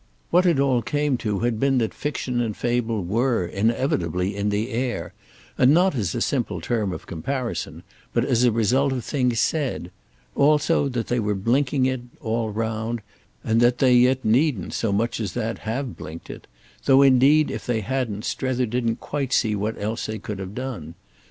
What it all came to had been that fiction and fable were, inevitably, in the air, and not as a simple term of comparison, but as a result of things said; also that they were blinking it, all round, and that they yet needn't, so much as that, have blinked it—though indeed if they hadn't Strether didn't quite see what else they could have done.